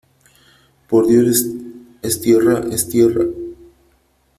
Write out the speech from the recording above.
¡ por Dios , es tierra , es tierra !